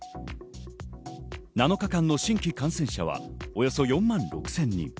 ７日間の新規感染者はおよそ４万６０００人。